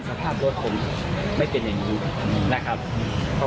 สวัสดีครับทุกคน